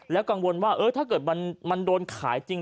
กังวลว่าถ้าเกิดมันโดนขายจริง